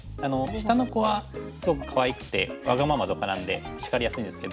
下の子はすごくかわいくてわがままとかなんで叱りやすいんですけど。